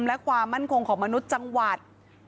และความมั่นคงของมนุษย์จังหวัด